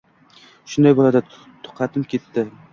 Shunday boʻldi. Tutaqib ketdim.